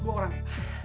gue orang ya